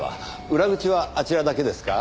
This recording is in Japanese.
裏口はあちらだけですか？